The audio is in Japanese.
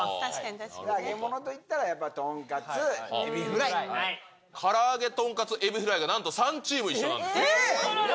揚げ物といったらやっぱりトンカツ、エビフライ。から揚げ、トンカツ、エビフライがなんと３チーム一緒なんでえっ？